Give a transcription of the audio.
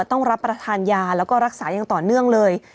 ต้องรับประทานยาแล้วก็รักษาอย่างต่อเนื่องเลย